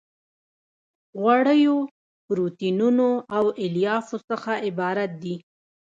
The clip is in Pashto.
غوړیو پروتینونو او الیافو څخه عبارت دي.